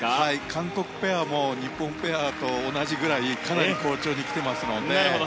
韓国ペアも日本ペアと同じくらいかなり好調に来てますので。